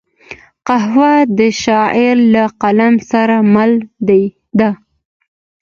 قهوه د شاعر له قلم سره مل ده